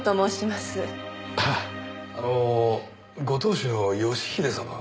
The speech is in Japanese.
はああのご当主の義英様は。